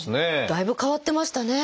だいぶ変わってましたね。